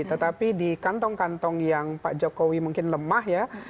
tetapi di kantong kantong yang pak jokowi mungkin lemah ya